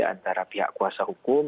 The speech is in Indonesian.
antara pihak kuasa hukum